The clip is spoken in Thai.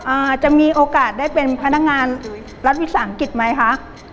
อาจจะมีโอกาสได้เป็นพนักงานรัฐวิสาหกิจไหมคะ